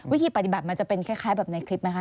วิธีปฏิบัติมันจะเป็นคล้ายแบบในคลิปไหมคะ